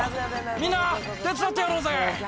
みんな手伝ってやろうぜ。